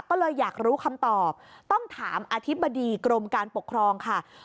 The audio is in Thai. ก็เลยอยากรู้คำตอบต้องถามอธิบดีกรมการปกครองค่ะ